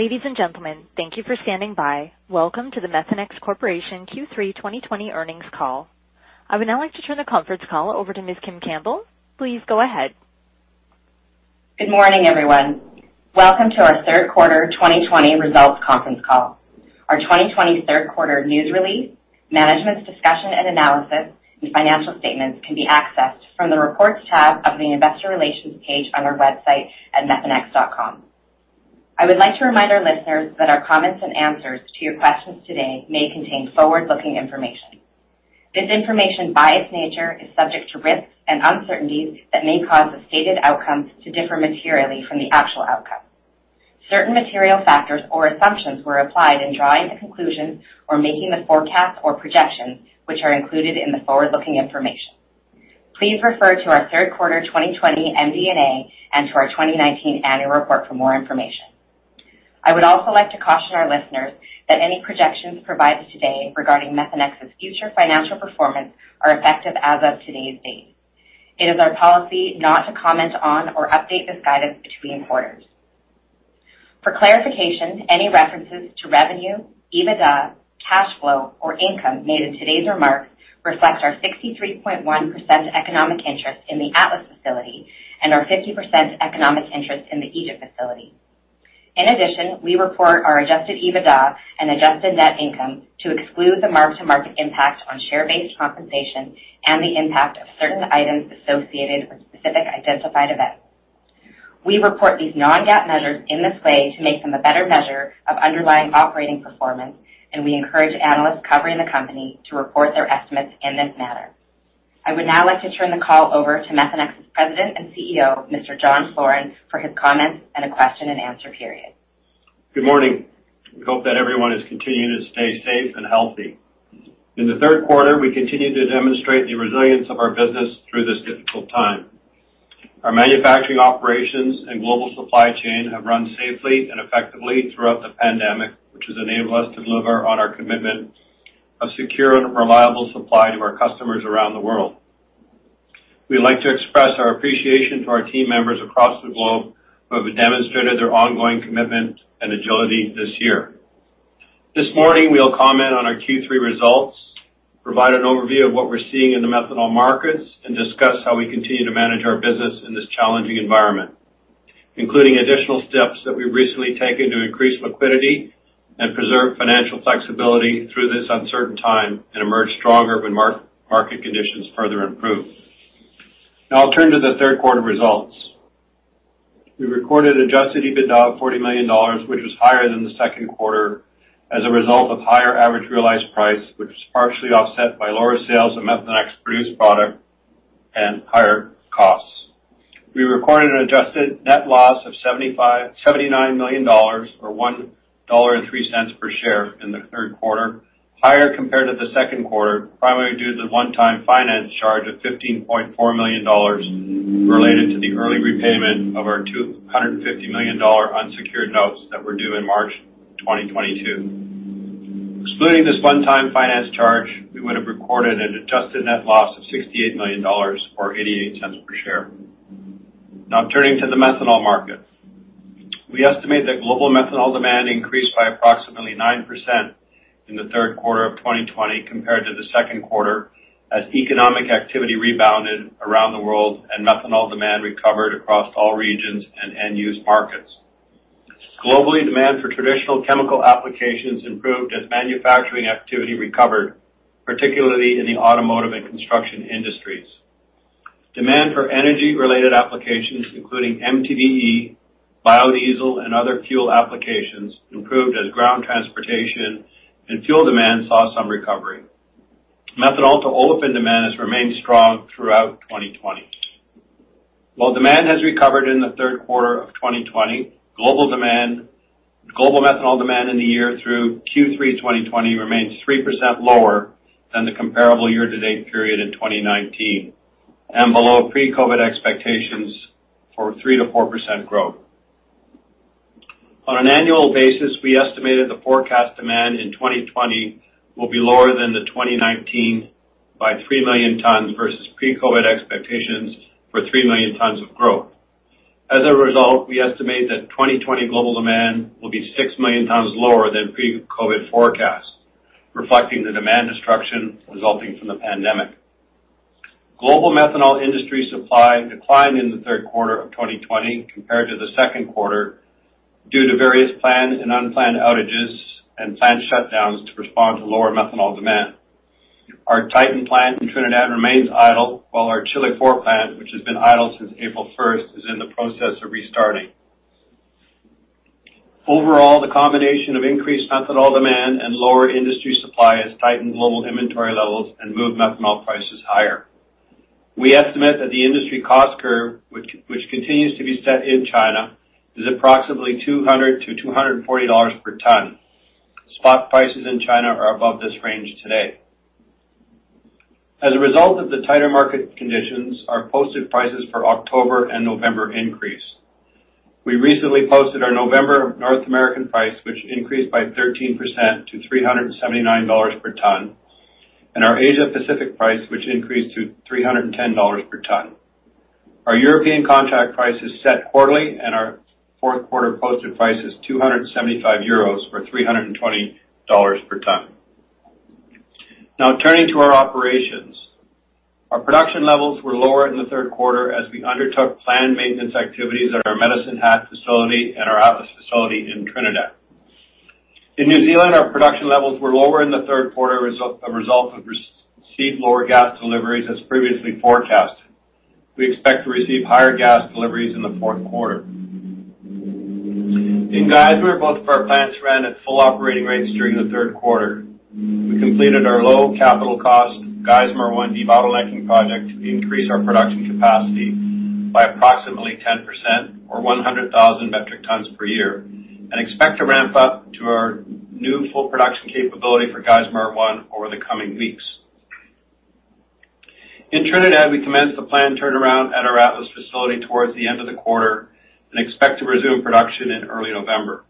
Ladies and gentlemen, thank you for standing by. Welcome to the Methanex Corporation Q3 2020 Earnings Call. I would now like to turn the conference call over to Ms. Kim Campbell. Please go ahead. Good morning, everyone. Welcome to our third quarter 2020 results conference call. Our 2020 third quarter news release, management's discussion and analysis, and financial statements can be accessed from the Reports tab of the Investor Relations page on our website at methanex.com. I would like to remind our listeners that our comments and answers to your questions today may contain forward-looking information. This information, by its nature, is subject to risks and uncertainties that may cause the stated outcomes to differ materially from the actual outcome. Certain material factors or assumptions were applied in drawing the conclusions or making the forecasts or projections, which are included in the forward-looking information. Please refer to our third quarter 2020 MD&A and to our 2019 annual report for more information. I would also like to caution our listeners that any projections provided today regarding Methanex's future financial performance are effective as of today's date. It is our policy not to comment on or update this guidance between quarters. For clarification, any references to revenue, EBITDA, cash flow, or income made in today's remarks reflect our 63.1% economic interest in the Atlas facility and our 50% economic interest in the Egypt facility. In addition, we report our adjusted EBITDA and adjusted net income to exclude the mark-to-market impact on share-based compensation and the impact of certain items associated with specific identified events. We report these non-GAAP measures in this way to make them a better measure of underlying operating performance, and we encourage analysts covering the company to report their estimates in this manner. I would now like to turn the call over to Methanex's President and CEO, Mr. John Floren, for his comments and a question and answer period. Good morning. We hope that everyone is continuing to stay safe and healthy. In the third quarter, we continued to demonstrate the resilience of our business through this difficult time. Our manufacturing operations and global supply chain have run safely and effectively throughout the pandemic, which has enabled us to deliver on our commitment of secure and reliable supply to our customers around the world. We'd like to express our appreciation to our team members across the globe who have demonstrated their ongoing commitment and agility this year. This morning, we'll comment on our Q3 results, provide an overview of what we're seeing in the methanol markets, and discuss how we continue to manage our business in this challenging environment, including additional steps that we've recently taken to increase liquidity and preserve financial flexibility through this uncertain time and emerge stronger when market conditions further improve. Now I'll turn to the third quarter results. We recorded adjusted EBITDA of $40 million, which was higher than the second quarter as a result of higher average realized price, which was partially offset by lower sales of Methanex produced product and higher costs. We recorded an adjusted net loss of $79 million, or $1.03 per share in the third quarter, higher compared to the second quarter, primarily due to the one-time finance charge of $15.4 million related to the early repayment of our $250 million unsecured notes that were due in March 2022. Excluding this one-time finance charge, we would have recorded an adjusted net loss of $68 million, or $0.88 per share. Now turning to the methanol market. We estimate that global methanol demand increased by approximately 9% in the third quarter of 2020 compared to the second quarter as economic activity rebounded around the world and methanol demand recovered across all regions and end-use markets. Globally, demand for traditional chemical applications improved as manufacturing activity recovered, particularly in the automotive and construction industries. Demand for energy-related applications, including MTBE, biodiesel, and other fuel applications, improved as ground transportation and fuel demand saw some recovery. Methanol-to-Olefin demand has remained strong throughout 2020. While demand has recovered in the third quarter of 2020, global methanol demand in the year through Q3 2020 remains 3% lower than the comparable year-to-date period in 2019, and below pre-COVID-19 expectations for 3%-4% growth. On an annual basis, we estimated the forecast demand in 2020 will be lower than the 2019 by three million tons versus pre-COVID-19 expectations for three million tons of growth. As a result, we estimate that 2020 global demand will be six million tons lower than pre-COVID-19 forecasts, reflecting the demand destruction resulting from the pandemic. Global methanol industry supply declined in the third quarter of 2020 compared to the second quarter due to various planned and unplanned outages and plant shutdowns to respond to lower methanol demand. Our Titan plant in Trinidad remains idle, while our Chile IV plant, which has been idle since April 1st, is in the process of restarting. Overall, the combination of increased methanol demand and lower industry supply has tightened global inventory levels and moved methanol prices higher. We estimate that the industry cost curve, which continues to be set in China, is approximately $200-$240 per ton. Spot prices in China are above this range today. As a result of the tighter market conditions, our posted prices for October and November increased. We recently posted our November North American price, which increased by 13% to $379 per ton, and our Asia Pacific price, which increased to $310 per ton. Our European contract price is set quarterly. Our fourth quarter posted price is 275 euros or $320 per ton. Now turning to our operations. Our production levels were lower in the third quarter as we undertook planned maintenance activities at our Medicine Hat facility and our Atlas facility in Trinidad. In New Zealand, our production levels were lower in the third quarter as a result of received lower gas deliveries as previously forecast. We expect to receive higher gas deliveries in the fourth quarter. In Geismar, both of our plants ran at full operating rates during the third quarter. We completed our low capital cost Geismar 1 debottlenecking project to increase our production capacity by approximately 10% or 100,000 metric tons per year, and expect to ramp up to our new full production capability for Geismar 1 over the coming weeks. In Trinidad, we commenced the planned turnaround at our Atlas facility towards the end of the quarter and expect to resume production in early November.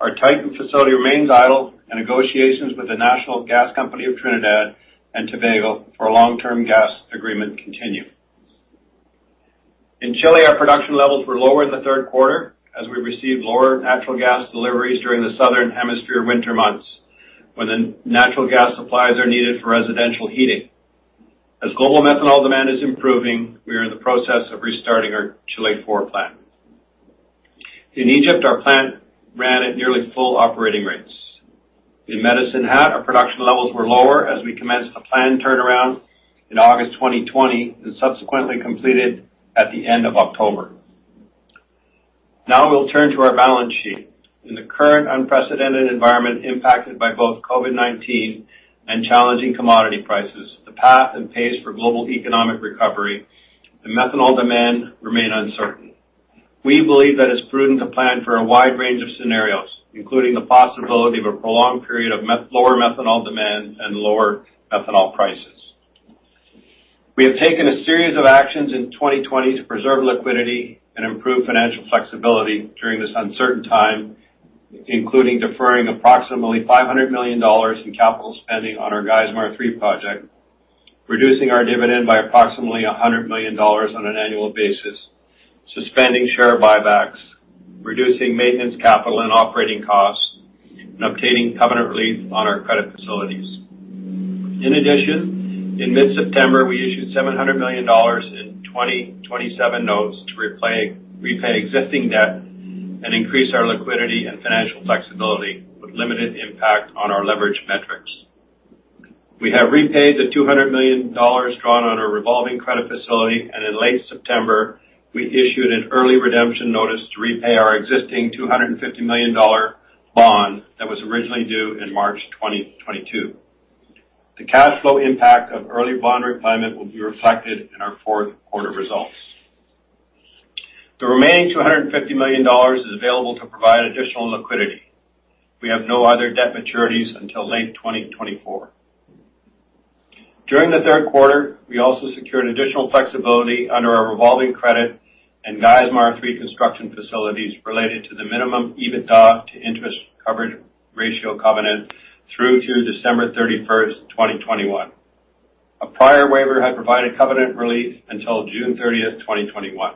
Our Titan facility remains idle, and negotiations with the National Gas Company of Trinidad and Tobago for a long-term gas agreement continue. In Chile, our production levels were lower in the third quarter as we received lower natural gas deliveries during the southern hemisphere winter months, when the natural gas supplies are needed for residential heating. As global methanol demand is improving, we are in the process of restarting our Chile IV plant. In Egypt, our plant ran at nearly full operating rates. In Medicine Hat, our production levels were lower as we commenced a planned turnaround in August 2020 and subsequently completed at the end of October. Now we'll turn to our balance sheet. In the current unprecedented environment impacted by both COVID-19 and challenging commodity prices, the path and pace for global economic recovery and methanol demand remain uncertain. We believe that it's prudent to plan for a wide range of scenarios, including the possibility of a prolonged period of lower methanol demand and lower methanol prices. We have taken a series of actions in 2020 to preserve liquidity and improve financial flexibility during this uncertain time, including deferring approximately $500 million in capital spending on our Geismar 3 project, reducing our dividend by approximately $100 million on an annual basis, suspending share buybacks, reducing maintenance capital and operating costs, and obtaining covenant relief on our credit facilities. In addition, in mid-September, we issued $700 million in 2027 notes to repay existing debt and increase our liquidity and financial flexibility with limited impact on our leverage metrics. We have repaid the $200 million drawn on our revolving credit facility, and in late September, we issued an early redemption notice to repay our existing $250 million bond that was originally due in March 2022. The cash flow impact of early bond repayment will be reflected in our fourth quarter results. The remaining $250 million is available to provide additional liquidity. We have no other debt maturities until late 2024. During the third quarter, we also secured additional flexibility under our revolving credit and Geismar 3 construction facilities related to the minimum EBITDA to interest coverage ratio covenant through to December 31st, 2021. A prior waiver had provided covenant relief until June 30th, 2021.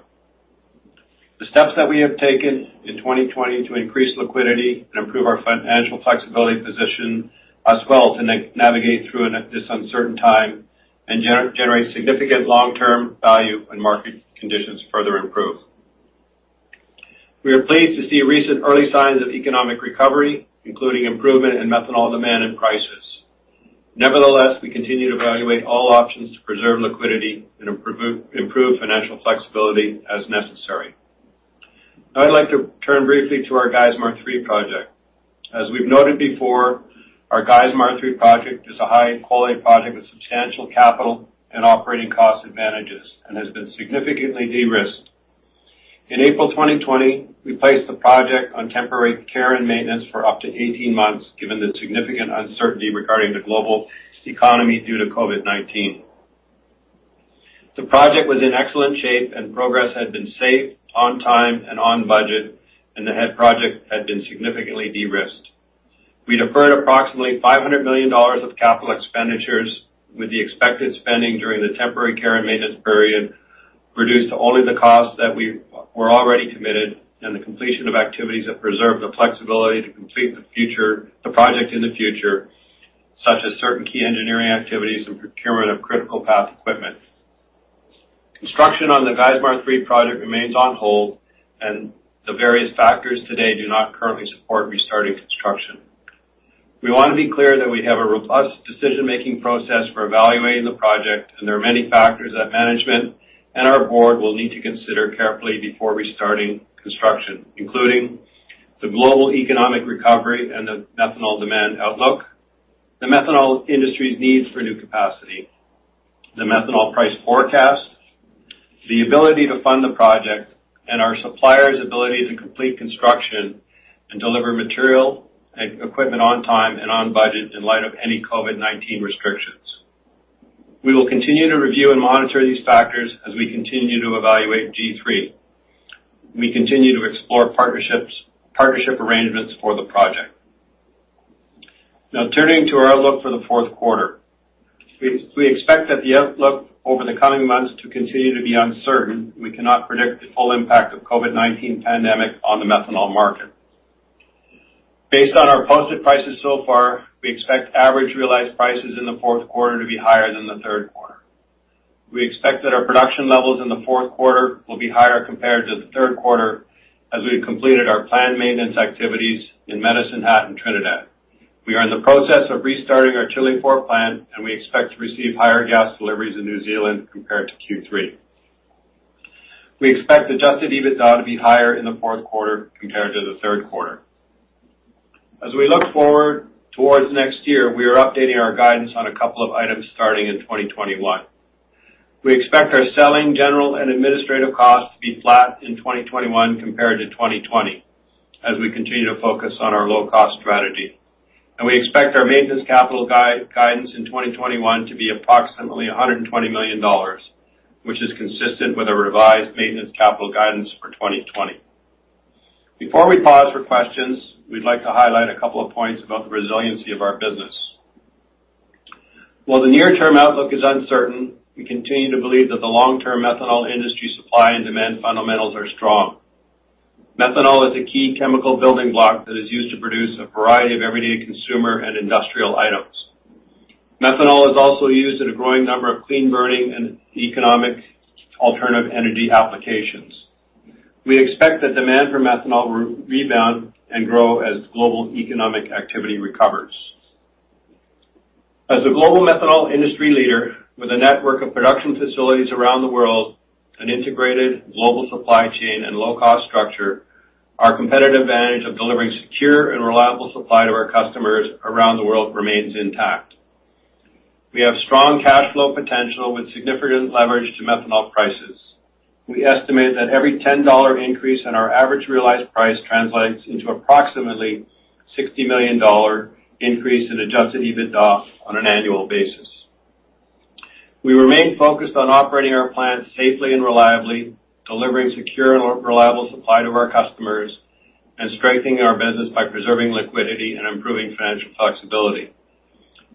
The steps that we have taken in 2020 to increase liquidity and improve our financial flexibility position us well to navigate through this uncertain time and generate significant long-term value when market conditions further improve. We are pleased to see recent early signs of economic recovery, including improvement in methanol demand and prices. We continue to evaluate all options to preserve liquidity and improve financial flexibility as necessary. Now I'd like to turn briefly to our Geismar 3 project. As we've noted before, our Geismar 3 project is a high-quality project with substantial capital and operating cost advantages and has been significantly de-risked. In April 2020, we placed the project on temporary care and maintenance for up to 18 months, given the significant uncertainty regarding the global economy due to COVID-19. The project was in excellent shape, and progress had been safe, on time, and on budget, and the head project had been significantly de-risked. We deferred approximately $500 million of capital expenditures, with the expected spending during the temporary care and maintenance period reduced to only the costs that we were already committed and the completion of activities that preserve the flexibility to complete the project in the future, such as certain key engineering activities and procurement of critical path equipment. Construction on the Geismar 3 project remains on hold, and the various factors today do not currently support restarting construction. We want to be clear that we have a robust decision-making process for evaluating the project, and there are many factors that management and our board will need to consider carefully before restarting construction, including the global economic recovery and the methanol demand outlook, the methanol industry's needs for new capacity, the methanol price forecast, the ability to fund the project, and our suppliers' ability to complete construction and deliver material and equipment on time and on budget in light of any COVID-19 restrictions. We will continue to review and monitor these factors as we continue to evaluate G3. We continue to explore partnership arrangements for the project. Turning to our outlook for the fourth quarter. We expect that the outlook over the coming months to continue to be uncertain. We cannot predict the full impact of COVID-19 pandemic on the methanol market. Based on our posted prices so far, we expect average realized prices in the fourth quarter to be higher than the third quarter. We expect that our production levels in the fourth quarter will be higher compared to the third quarter, as we've completed our planned maintenance activities in Medicine Hat and Trinidad. We are in the process of restarting our Chile IV plant, and we expect to receive higher gas deliveries in New Zealand compared to Q3. We expect adjusted EBITDA to be higher in the fourth quarter compared to the third quarter. As we look forward towards next year, we are updating our guidance on a couple of items starting in 2021. We expect our selling, general, and administrative costs to be flat in 2021 compared to 2020 as we continue to focus on our low-cost strategy. We expect our maintenance capital guidance in 2021 to be approximately $120 million, which is consistent with the revised maintenance capital guidance for 2020. Before we pause for questions, we'd like to highlight a couple of points about the resiliency of our business. While the near-term outlook is uncertain, we continue to believe that the long-term methanol industry supply and demand fundamentals are strong. Methanol is a key chemical building block that is used to produce a variety of everyday consumer and industrial items. Methanol is also used in a growing number of clean burning and economic alternative energy applications. We expect that demand for methanol rebound and grow as global economic activity recovers. As a global methanol industry leader with a network of production facilities around the world, an integrated global supply chain, and low-cost structure, our competitive advantage of delivering secure and reliable supply to our customers around the world remains intact. We have strong cash flow potential with significant leverage to methanol prices. We estimate that every $10 increase in our average realized price translates into approximately $60 million increase in adjusted EBITDA on an annual basis. We remain focused on operating our plants safely and reliably, delivering secure and reliable supply to our customers, and strengthening our business by preserving liquidity and improving financial flexibility.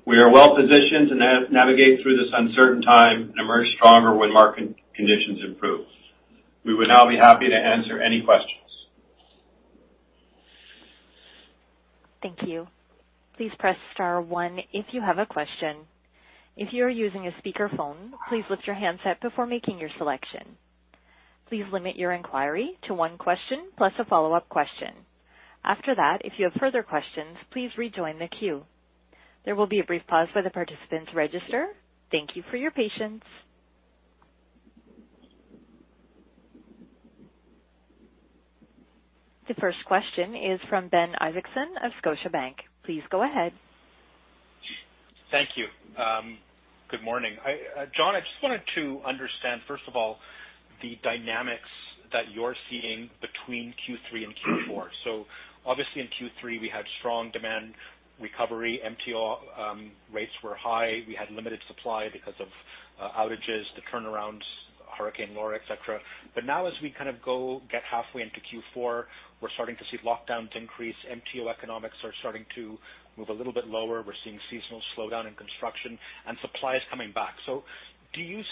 We are well-positioned to navigate through this uncertain time and emerge stronger when market conditions improve. We would now be happy to answer any questions. Thank you. Please press star one if you have a question. If you are using a speakerphone, please lift your handset before making your selection. Please limit your inquiry to one question plus a follow-up question. After that, if you have further questions, please rejoin the queue. There will be a brief pause for the participants register. Thank you for your patience. The first question is from Ben Isaacson of Scotiabank. Please go ahead. Thank you. Good morning. John, I just wanted to understand, first of all, the dynamics that you're seeing between Q3 and Q4. Obviously in Q3, we had strong demand recovery. MTO rates were high. We had limited supply because of outages, the turnarounds, Hurricane Laura, et cetera. Now as we kind of go get halfway into Q4, we're starting to see lockdowns increase. MTO economics are starting to move a little bit lower. We're seeing seasonal slowdown in construction and supply is coming back. Do you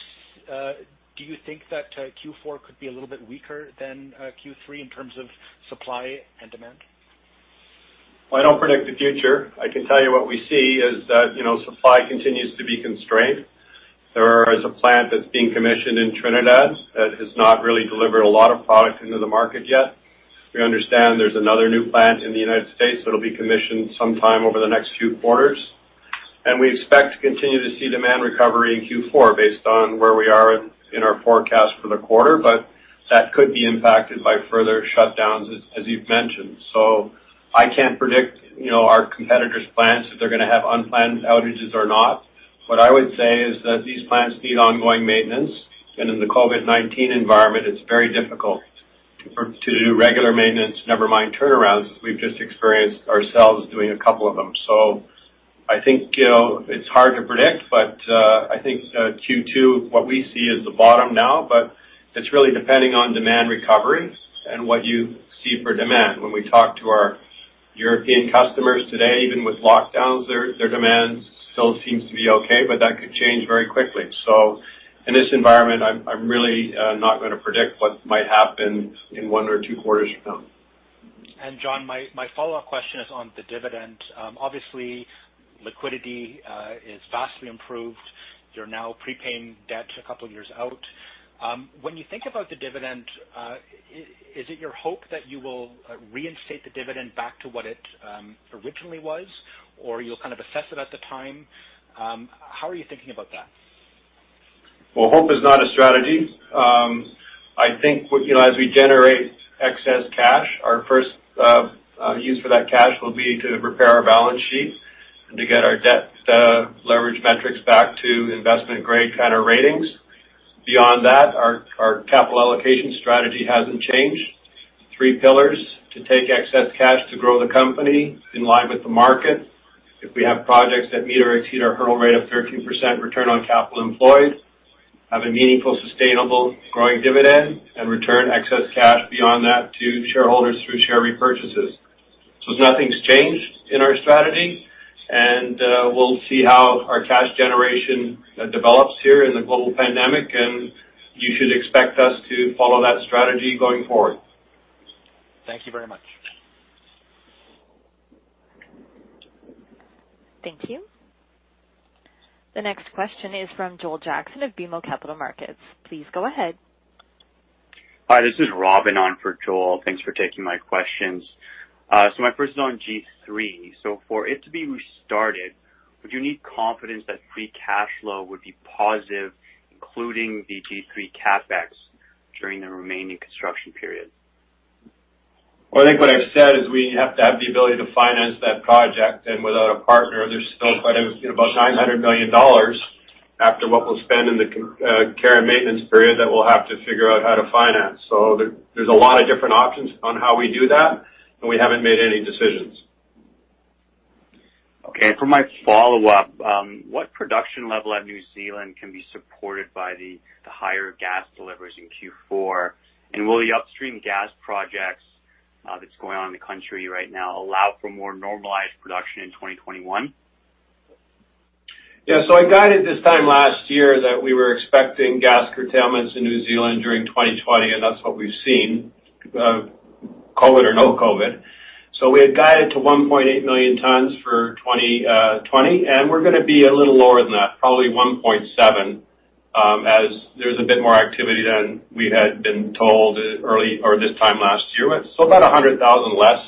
think that Q4 could be a little bit weaker than Q3 in terms of supply and demand? Well, I don't predict the future. I can tell you what we see is that supply continues to be constrained. There is a plant that's being commissioned in Trinidad that has not really delivered a lot of product into the market yet. We understand there's another new plant in the United States that'll be commissioned sometime over the next few quarters. We expect to continue to see demand recovery in Q4 based on where we are in our forecast for the quarter. That could be impacted by further shutdowns as you've mentioned. I can't predict our competitors' plants, if they're gonna have unplanned outages or not. What I would say is that these plants need ongoing maintenance, and in the COVID-19 environment, it's very difficult to do regular maintenance, never mind turnarounds, as we've just experienced ourselves doing a couple of them. I think it's hard to predict, but I think Q2, what we see is the bottom now, but it's really depending on demand recovery and what you see for demand. When we talk to our European customers today, even with lockdowns, their demand still seems to be okay, but that could change very quickly. In this environment, I'm really not going to predict what might happen in one or two quarters from now. John, my follow-up question is on the dividend. Obviously, liquidity is vastly improved. You're now prepaying debt a couple of years out. When you think about the dividend, is it your hope that you will reinstate the dividend back to what it originally was, or you'll kind of assess it at the time? How are you thinking about that? Well, hope is not a strategy. I think as we generate excess cash, our first use for that cash will be to repair our balance sheet and to get our debt leverage metrics back to investment grade kind of ratings. Beyond that, our capital allocation strategy hasn't changed. Three pillars. To take excess cash to grow the company in line with the market. If we have projects that meet or exceed our hurdle rate of 13% return on capital employed. Have a meaningful, sustainable growing dividend and return excess cash beyond that to shareholders through share repurchases. Nothing's changed in our strategy, and we'll see how our cash generation develops here in the global pandemic, and you should expect us to follow that strategy going forward. Thank you very much. Thank you. The next question is from Joel Jackson of BMO Capital Markets. Please go ahead. Hi, this is Robin on for Joel. Thanks for taking my questions. My first is on G3. For it to be restarted, would you need confidence that free cash flow would be positive, including the G3 CapEx, during the remaining construction period? Well, I think what I've said is we have to have the ability to finance that project, and without a partner, there's still quite about $900 million after what we'll spend in the care and maintenance period that we'll have to figure out how to finance. There's a lot of different options on how we do that, and we haven't made any decisions. Okay, for my follow-up, what production level at New Zealand can be supported by the higher gas deliveries in Q4? Will the upstream gas projects that's going on in the country right now allow for more normalized production in 2021? Yeah. I guided this time last year that we were expecting gas curtailments in New Zealand during 2020, and that's what we've seen, COVID or no COVID. We had guided to 1.8 million tons for 2020, and we're gonna be a little lower than that, probably 1.7, as there's a bit more activity than we had been told this time last year. About 100,000 less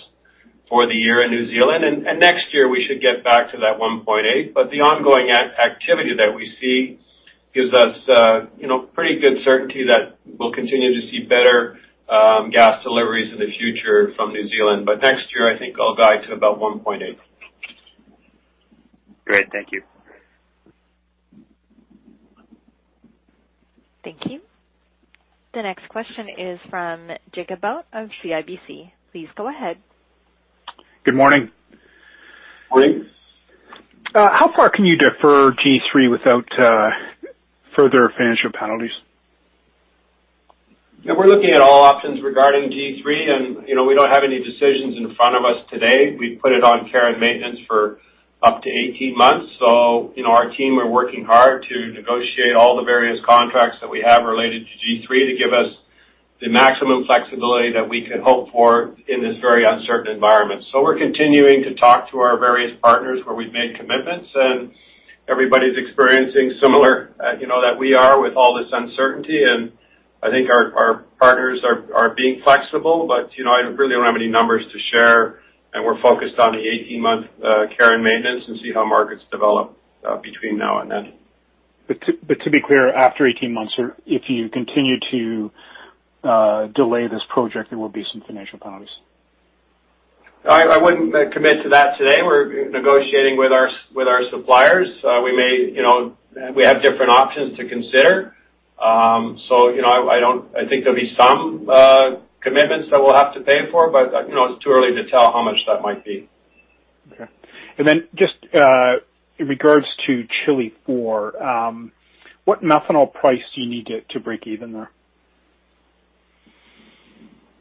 for the year in New Zealand. Next year we should get back to that 1.8. The ongoing activity that we see gives us pretty good certainty that we'll continue to see better gas deliveries in the future from New Zealand. Next year, I think I'll guide to about 1.8. Great. Thank you. Thank you. The next question is from Jacob Bout of CIBC. Please go ahead. Good morning. Morning. How far can you defer G3 without further financial penalties? Yeah. We're looking at all options regarding G3, and we don't have any decisions in front of us today. We put it on care and maintenance for up to 18 months. Our team are working hard to negotiate all the various contracts that we have related to G3 to give us the maximum flexibility that we could hope for in this very uncertain environment. We're continuing to talk to our various partners where we've made commitments, and everybody's experiencing similar that we are with all this uncertainty. I think our partners are being flexible. I really don't have any numbers to share, and we're focused on the 18-month care and maintenance and see how markets develop between now and then. To be clear, after 18 months, or if you continue to delay this project, there will be some financial penalties? I wouldn't commit to that today. We're negotiating with our suppliers. We have different options to consider. I think there'll be some commitments that we'll have to pay for, but it's too early to tell how much that might be. Okay. Then just in regards to Chile IV, what methanol price do you need to break even there?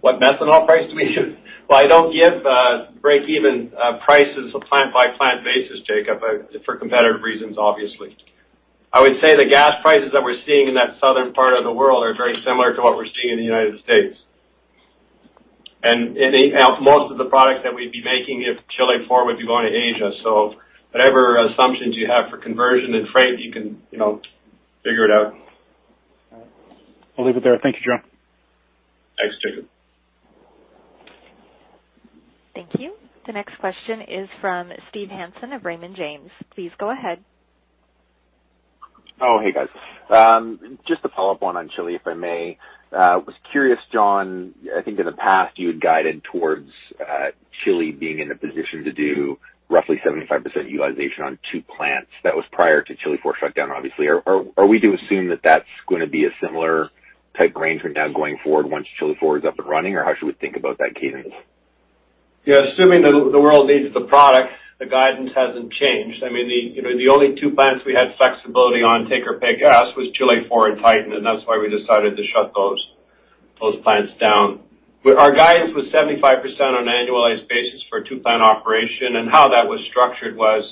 What methanol price do we need? Well, I don't give break-even prices on plant-by-plant basis, Jacob, for competitive reasons, obviously. I would say the gas prices that we're seeing in that southern part of the world are very similar to what we're seeing in the United States. Most of the product that we'd be making at Chile IV would be going to Asia. Whatever assumptions you have for conversion and freight, you can figure it out. All right. I'll leave it there. Thank you, John. Thanks, Jacob. Thank you. The next question is from Steve Hansen of Raymond James. Please go ahead. Oh, hey, guys. Just a follow-up one on Chile, if I may. Was curious, John, I think in the past you had guided towards Chile being in a position to do roughly 75% utilization on two plants. That was prior to Chile IV shutdown, obviously. Are we to assume that that's gonna be a similar type range for now going forward once Chile IV is up and running? How should we think about that cadence? Yeah, assuming the world needs the product, the guidance hasn't changed. I mean, the only two plants we had flexibility on take or pay gas was Chile IV and Titan, and that's why we decided to shut those plants down. Our guidance was 75% on an annualized basis for a two-plant operation. How that was structured was,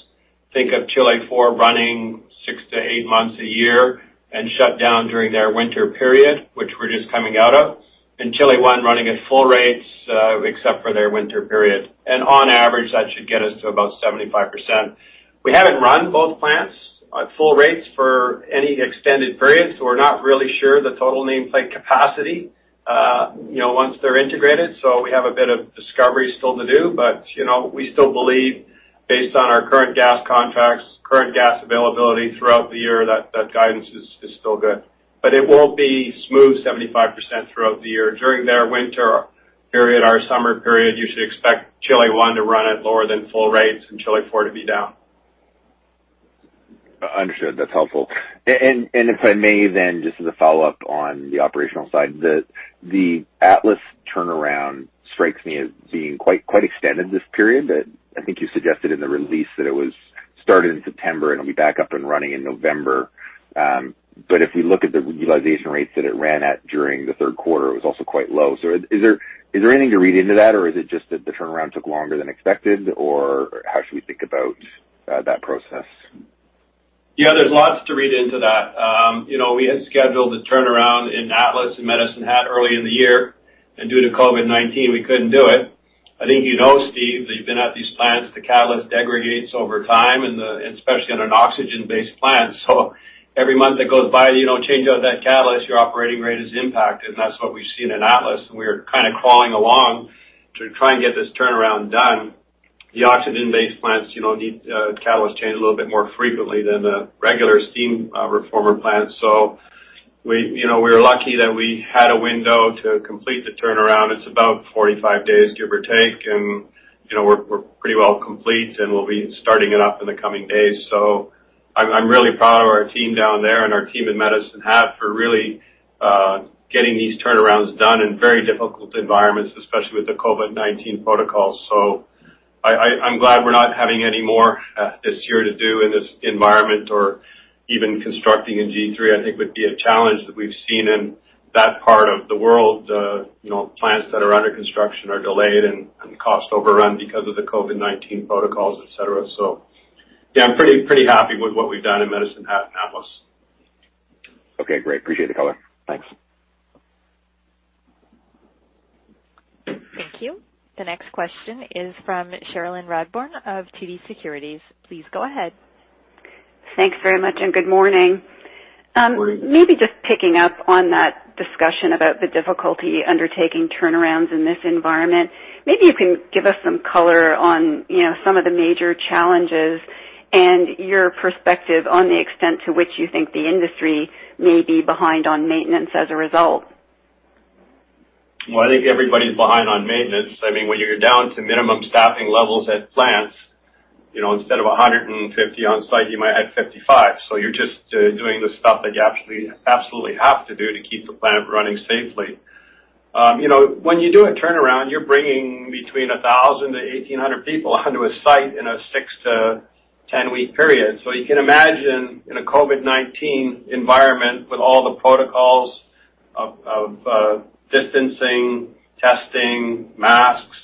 think of Chile IV running six to eight months a year and shut down during their winter period, which we're just coming out of, and Chile I running at full rates except for their winter period. On average, that should get us to about 75%. We haven't run both plants at full rates for any extended periods, so we're not really sure the total nameplate capacity once they're integrated. We have a bit of discovery still to do, but we still believe based on our current gas contracts, current gas availability throughout the year, that that guidance is still good. It won't be smooth 75% throughout the year. During their winter period, our summer period, you should expect Chile I to run at lower than full rates and Chile IV to be down. Understood. That's helpful. If I may then, just as a follow-up on the operational side, the Atlas turnaround strikes me as being quite extended this period. I think you suggested in the release that it was started in September, and it'll be back up and running in November. If we look at the utilization rates that it ran at during the third quarter, it was also quite low. Is there anything to read into that or is it just that the turnaround took longer than expected, or how should we think about that process? Yeah, there's lots to read into that. We had scheduled a turnaround in Atlas and Medicine Hat early in the year, and due to COVID-19, we couldn't do it. I think you know, Steve, that you've been at these plants, the catalyst segregates over time and especially on an oxygen-based plant. Every month that goes by, you don't change out that catalyst, your operating rate is impacted, and that's what we've seen in Atlas, and we are kind of crawling along to try and get this turnaround done. The oxygen-based plants need catalyst change a little bit more frequently than the regular steam reformer plants. We were lucky that we had a window to complete the turnaround. It's about 45 days, give or take, and we're pretty well complete, and we'll be starting it up in the coming days. I'm really proud of our team down there and our team in Medicine Hat for really getting these turnarounds done in very difficult environments, especially with the COVID-19 protocols. I'm glad we're not having any more this year to do in this environment or even constructing in G3, I think would be a challenge that we've seen in that part of the world. Plants that are under construction are delayed and cost overrun because of the COVID-19 protocols, et cetera. Yeah, I'm pretty happy with what we've done in Medicine Hat and Atlas. Okay, great. Appreciate the color. Thanks. Thank you. The next question is from Cherilyn Radbourne of TD Securities. Please go ahead. Thanks very much, and good morning. Good morning. Maybe just picking up on that discussion about the difficulty undertaking turnarounds in this environment. Maybe you can give us some color on some of the major challenges and your perspective on the extent to which you think the industry may be behind on maintenance as a result. I think everybody's behind on maintenance. When you're down to minimum staffing levels at plants, instead of 150 on site, you might have 55. You're just doing the stuff that you absolutely have to do to keep the plant running safely. When you do a turnaround, you're bringing between 1,000-1,800 people onto a site in a 6-10 week period. You can imagine in a COVID-19 environment, with all the protocols of distancing, testing, masks,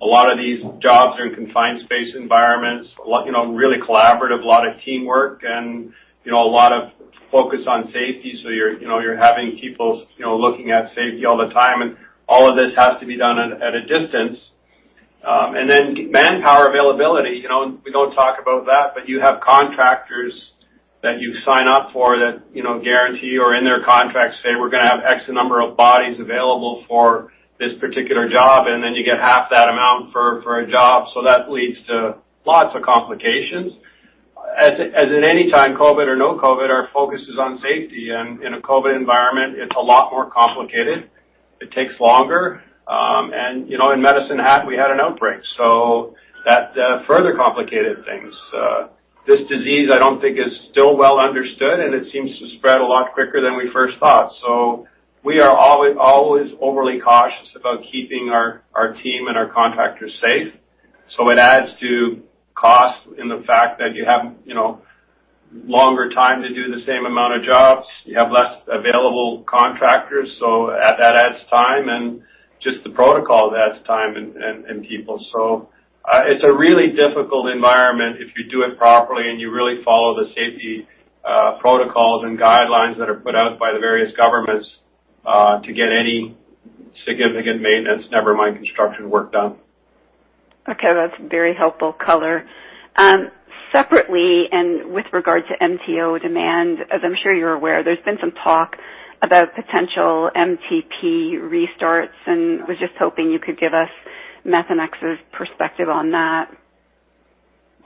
a lot of these jobs are in confined space environments, really collaborative, a lot of teamwork, and a lot of focus on safety. You're having people looking at safety all the time, and all of this has to be done at a distance. Manpower availability, we don't talk about that, but you have contractors that you sign up for that guarantee or in their contract say, "We're gonna have X number of bodies available for this particular job," and then you get half that amount for a job. That leads to lots of complications. As at any time, COVID or no COVID, our focus is on safety, and in a COVID environment, it's a lot more complicated. It takes longer. In Medicine Hat, we had an outbreak, that further complicated things. This disease, I don't think is still well understood, and it seems to spread a lot quicker than we first thought. We are always overly cautious about keeping our team and our contractors safe. It adds to cost in the fact that you have longer time to do the same amount of jobs. You have less available contractors, that adds time, and just the protocol adds time and people. It's a really difficult environment if you do it properly and you really follow the safety protocols and guidelines that are put out by the various governments, to get any significant maintenance, never mind construction work done. Okay. That's very helpful color. Separately, with regard to MTO demand, as I'm sure you're aware, there's been some talk about potential MTP restarts, and was just hoping you could give us Methanex's perspective on that.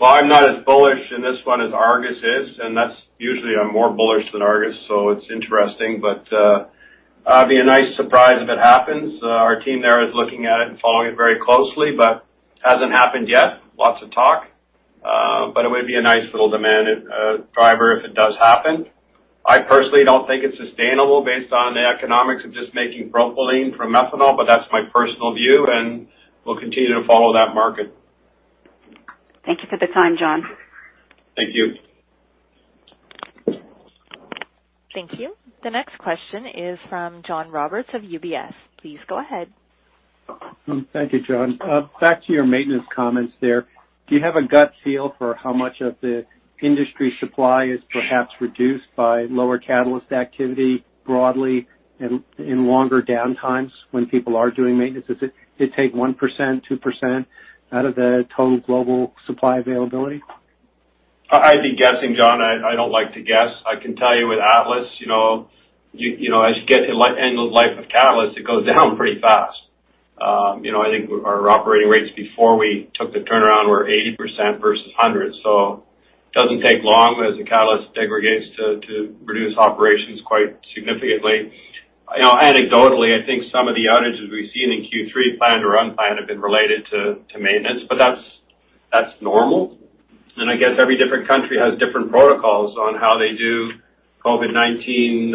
Well, I'm not as bullish in this one as Argus is, and usually I'm more bullish than Argus, so it's interesting. It'd be a nice surprise if it happens. Our team there is looking at it and following it very closely, but hasn't happened yet. Lots of talk. It would be a nice little demand driver if it does happen. I personally don't think it's sustainable based on the economics of just making propylene from methanol, but that's my personal view, and we'll continue to follow that market. Thank you for the time, John. Thank you. Thank you. The next question is from John Roberts of UBS. Please go ahead. Thank you, John. Back to your maintenance comments there. Do you have a gut feel for how much of the industry supply is perhaps reduced by lower catalyst activity broadly in longer downtimes when people are doing maintenance? Does it take 1%, 2% out of the total global supply availability? I'd be guessing, John. I don't like to guess. I can tell you with Atlas, as you get to end of life of catalyst, it goes down pretty fast. I think our operating rates before we took the turnaround were 80% versus 100%, so it doesn't take long as the catalyst segregates to reduce operations quite significantly. Anecdotally, I think some of the outages we've seen in Q3, planned or unplanned, have been related to maintenance. I guess every different country has different protocols on how they do COVID-19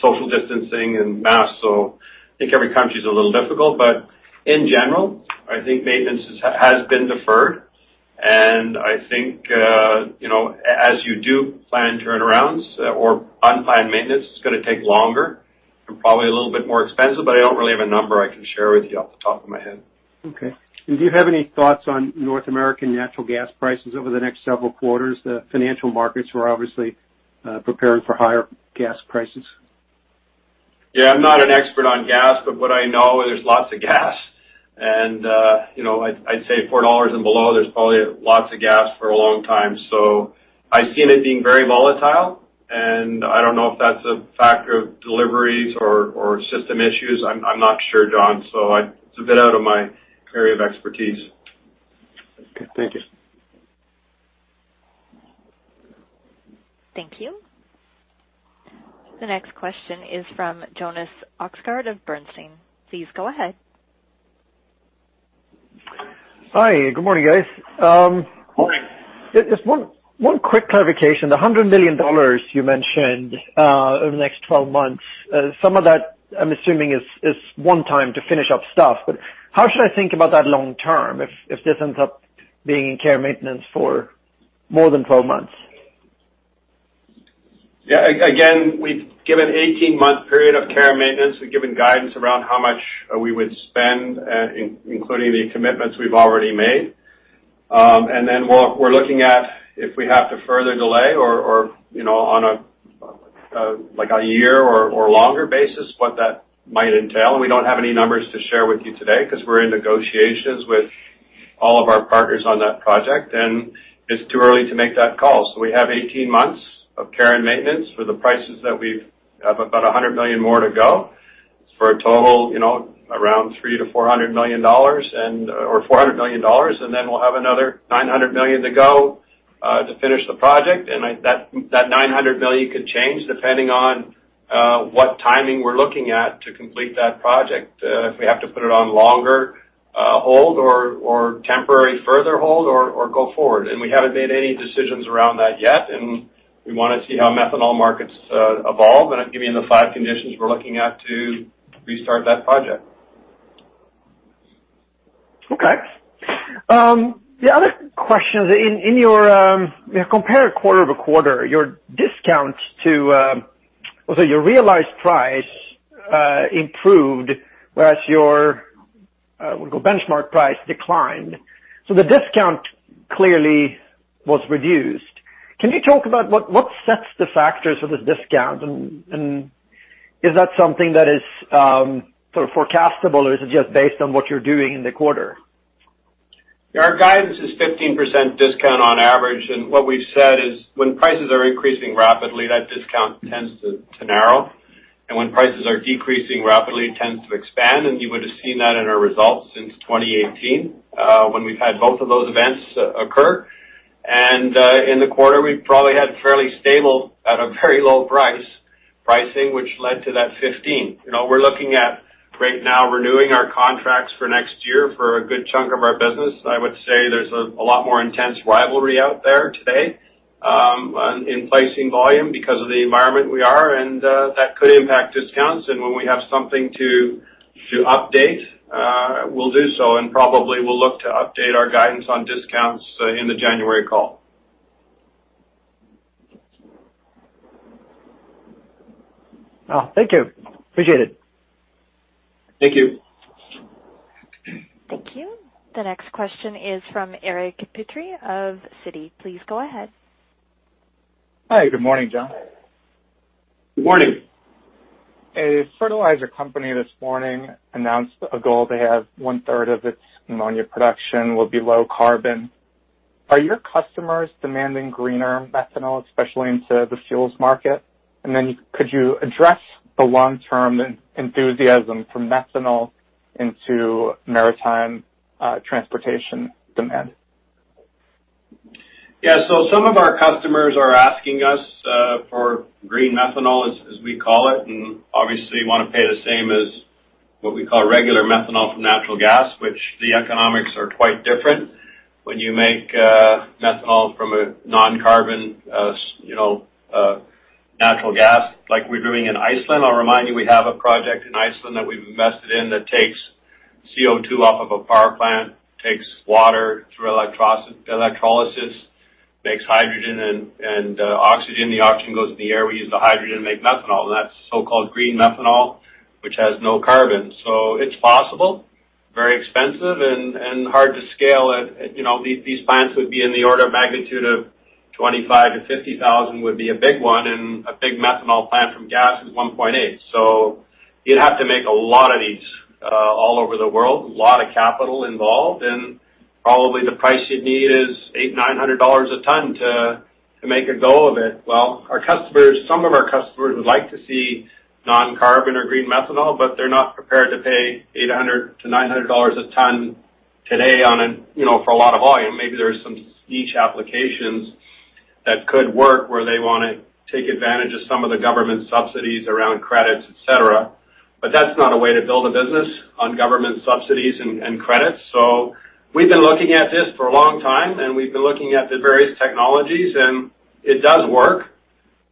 social distancing and masks. I think every country is a little difficult, but in general, I think maintenance has been deferred. I think, as you do plan turnarounds or unplanned maintenance, it's going to take longer and probably a little bit more expensive, but I don't really have a number I can share with you off the top of my head. Okay. Do you have any thoughts on North American natural gas prices over the next several quarters? The financial markets were obviously preparing for higher gas prices. Yeah. I'm not an expert on gas, but what I know is there's lots of gas. I'd say $4 and below, there's probably lots of gas for a long time. I've seen it being very volatile, and I don't know if that's a factor of deliveries or system issues. I'm not sure, John, it's a bit out of my area of expertise. Okay. Thank you. Thank you. The next question is from Jonas Oxgaard of Bernstein. Please go ahead. Hi. Good morning, guys. Morning. Just one quick clarification. The $100 million you mentioned over the next 12 months, some of that, I'm assuming, is one time to finish up stuff. How should I think about that long term, if this ends up being in care and maintenance for more than 12 months? Again, we've given 18-month period of care and maintenance. We've given guidance around how much we would spend, including the commitments we've already made. We're looking at if we have to further delay or on a year or longer basis, what that might entail. We don't have any numbers to share with you today because we're in negotiations with all of our partners on that project, and it's too early to make that call. We have 18 months of care and maintenance for the prices that we've about $100 million more to go for a total around $300 million-$400 million, and we'll have another $900 million to go to finish the project. That $900 million could change depending on what timing we're looking at to complete that project, if we have to put it on longer hold or temporary further hold or go forward. We haven't made any decisions around that yet, and we want to see how methanol markets evolve, and I'll give you the five conditions we're looking at to restart that project. Okay. The other question is, compare quarter-over-quarter, your realized price improved, whereas your benchmark price declined. The discount clearly was reduced. Can you talk about what sets the factors for this discount, and is that something that is sort of forecastable, or is it just based on what you're doing in the quarter? Our guidance is 15% discount on average. What we've said is when prices are increasing rapidly, that discount tends to narrow, and when prices are decreasing rapidly, it tends to expand. You would have seen that in our results since 2018, when we've had both of those events occur. In the quarter, we probably had fairly stable at a very low pricing, which led to that 15. We're looking at right now renewing our contracts for next year for a good chunk of our business. I would say there's a lot more intense rivalry out there today in placing volume because of the environment we are in, and that could impact discounts. When we have something to update, we'll do so, and probably we'll look to update our guidance on discounts in the January call. Well, thank you. Appreciate it. Thank you. Thank you. The next question is from Eric Petrie of Citi. Please go ahead. Hi. Good morning, John. Good morning. A fertilizer company this morning announced a goal to have one-third of its ammonia production will be low carbon. Are your customers demanding greener methanol, especially into the fuels market? Could you address the long-term enthusiasm for methanol into maritime transportation demand? Yeah. Some of our customers are asking us for green methanol, as we call it, and obviously want to pay the same as what we call regular methanol from natural gas, which the economics are quite different when you make methanol from a non-carbon natural gas like we're doing in Iceland. I'll remind you, we have a project in Iceland that we've invested in that takes CO2 off of a power plant, takes water through electrolysis, makes hydrogen and oxygen. The oxygen goes in the air. We use the hydrogen to make methanol, and that's so-called green methanol, which has no carbon. It's possible, very expensive, and hard to scale. These plants would be in the order of magnitude of 25,000-50,000 would be a big one, and a big methanol plant from gas is 1.8. You'd have to make a lot of these all over the world, a lot of capital involved, and probably the price you'd need is $800, $900 a ton to make a go of it. Some of our customers would like to see non-carbon or green methanol, but they're not prepared to pay $800-$900 a ton today for a lot of volume. Maybe there are some niche applications that could work where they want to take advantage of some of the government subsidies around credits, et cetera. That's not a way to build a business on government subsidies and credits. We've been looking at this for a long time, and we've been looking at the various technologies, and it does work.